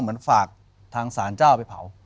เหมือนฝากทางศาลเจ้าไปเผา